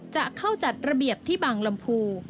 จะเข้าจัดระเบียบที่บางลำพู